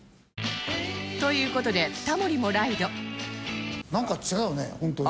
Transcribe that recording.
という事でタモリもライドなんか違うねホントに。